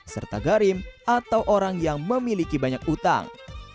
serta garim atau orang yang memiliki banyak utang